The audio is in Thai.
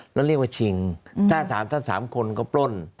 แล้วเรียกว่าชิงถ้าถามถ้า๓คนก็ปล้น